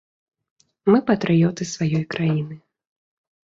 Мы патрыёты сваёй краіны.